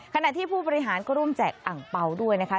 ขณะที่ผู้บริหารก็ร่วมแจกอังเปล่าด้วยนะคะ